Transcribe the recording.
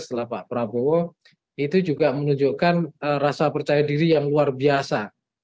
setelah pak prabowo itu juga menunjukkan rasa percaya diri yang luar biasa